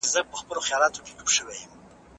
ساينس پوهان د کائناتو پټ حقايق لټوي.